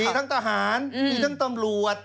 มีทั้งทหารมีทั้งตำรวจ